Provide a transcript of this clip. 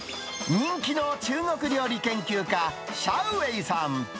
人気の中国料理研究家、シャウ・ウェイさん。